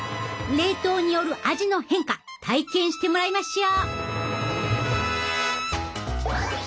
冷凍による味の変化体験してもらいましょ。